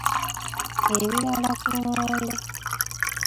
Ebirala ku lumonde.